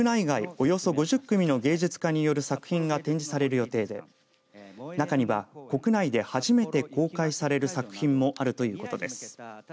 およそ５０組の芸術家による作品が展示される予定で中には国内で初めて公開される作品もあるということです。